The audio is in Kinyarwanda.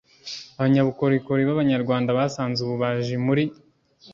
Abanyabukorikori b’Abanyarwanda basanze ububaji muri